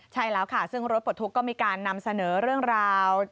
ใช่แล้วค่ะซึ่งรถปลดทุกข์ก็มีการนำเสนอเรื่องราว